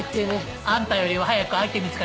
あんたよりは早く相手見つかりそうだわ。